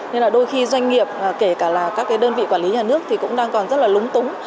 nên là đôi khi doanh nghiệp kể cả là các cái đơn vị quản lý nhà nước thì cũng đang còn rất là lúng túng